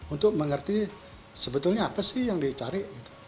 untuk mengerti sebetulnya apa sih yang dicari